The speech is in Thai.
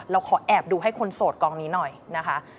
เราขอแอบดูให้คนโสดกองนี้หน่อยนะคะ